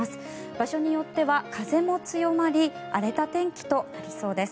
場所によっては風も強まり荒れた天気となりそうです。